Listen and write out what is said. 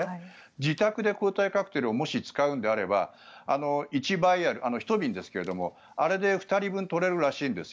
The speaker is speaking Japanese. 自宅で抗体カクテルをもし使うのであれば１バイアルひと瓶ですがあれで２人分取れるらしいんです。